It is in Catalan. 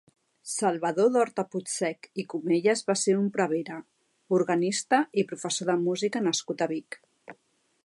Salvador d'Horta Puigsech i Comelles va ser un prevere, organista i professor de música nascut a Vic.